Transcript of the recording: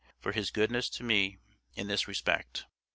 for His goodness to me in this respect.